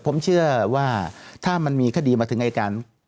ผมเชื่อว่าถ้ามันมีคดีมาถึงอายการ